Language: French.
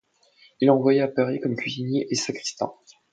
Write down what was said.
Il est envoyé à Paris comme cuisinier et sacristain.